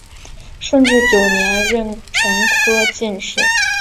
顺治九年壬辰科进士。